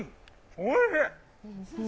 おいしい！